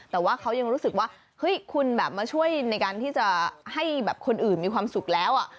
แต่ว่าเขายังรู้สึกว่าเฮ้ยคุณแบบมาช่วยในการที่จะให้แบบคนอื่นมีความสุขแล้ว